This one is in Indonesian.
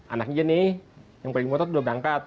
anaknya ini yang paling muat sudah berangkat